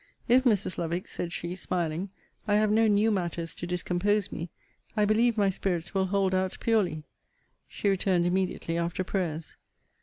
If, Mrs. Lovick, said she, smiling, I have no new matters to discompose me, I believe my spirits will hold out purely. She returned immediately after prayers.